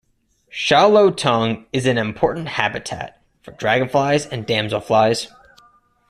Sha Lo Tung is an important habitat for dragonflies and damselflies.